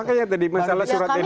makanya tadi masalah surat edaran